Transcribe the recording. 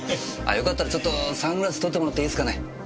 よかったらちょっとサングラス取ってもらっていいですかね？